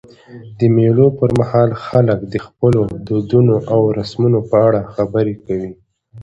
د مېلو پر مهال خلک د خپلو دودونو او رسمونو په اړه خبري کوي.